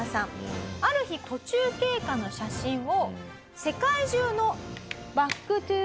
ある日途中経過の写真を。